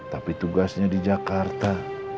tapi tugasnya di jakarta